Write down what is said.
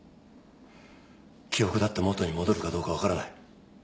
記憶だって元に戻るかどうか分からない。